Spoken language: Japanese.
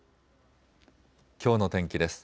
きょうの天気です。